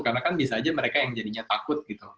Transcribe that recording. karena kan bisa aja mereka yang jadinya takut gitu